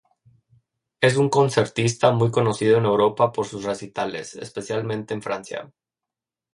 Es un concertista muy conocido en Europa por sus recitales, especialmente en Francia.